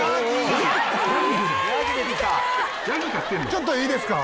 ちょっといいですか？